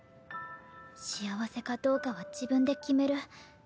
幸せかどうかは自分で決める。